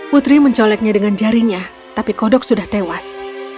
putri mencoleknya dengan jarinya tapi kodok sudah tewas